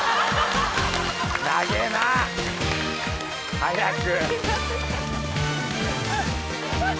早く！